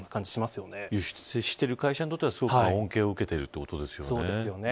輸出してる会社にとってはすごく恩恵を受けているということですよね。